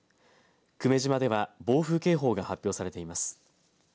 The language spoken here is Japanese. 久米島では暴風警報が発表されています。